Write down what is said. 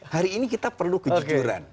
hari ini kita perlu kejujuran